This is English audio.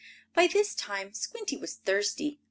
By this time Squinty was thirsty.